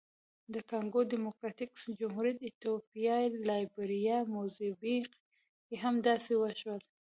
د کانګو ډیموکراتیک جمهوریت، ایتوپیا، لایبیریا، موزمبیق کې هم داسې وشول.